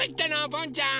ボンちゃん。